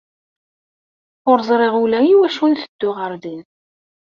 Ur ẓriɣ ula iwacu nteddu ɣer din.